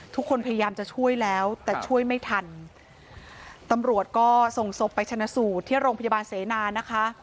พยายามจะช่วยแล้วแต่ช่วยไม่ทันตำรวจก็ส่งศพไปชนะสูตรที่โรงพยาบาลเสนานะคะ